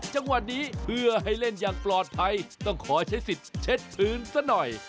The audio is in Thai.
จังหวะนี้เพื่อให้เล่นอย่างปลอดภัยต้องขอใช้สิทธิ์เช็ดชื้นซะหน่อย